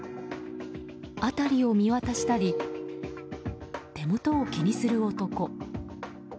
辺りを見渡したり手元を気にする男。